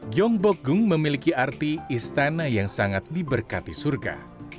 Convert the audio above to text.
gyeongbokgung memiliki arti istana yang sangat diberkati surga